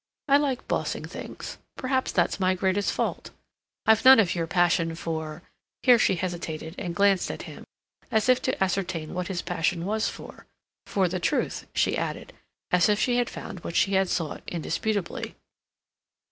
I like bossing things—perhaps that's my greatest fault. I've none of your passion for—" here she hesitated, and glanced at him, as if to ascertain what his passion was for—"for the truth," she added, as if she had found what she sought indisputably.